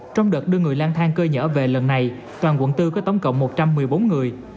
trong đợt đưa người lang thang cơ nhở về lần này toàn quận bốn có tổng cộng một trăm một mươi bốn người